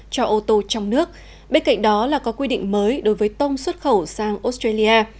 cho ô tô trong nước bên cạnh đó là có quy định mới đối với tông xuất khẩu sang australia